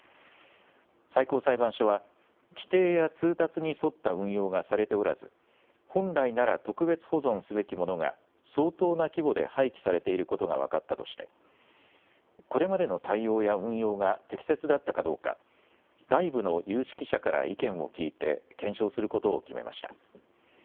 最高裁判所は規程や通達に沿った運用がされておらず本来なら特別保存すべきものが相当な規模で廃棄されていることが分かったとしてこれまでの対応や運用が適切だったかどうか外部の有識者から意見を聞いて検証することを決めました。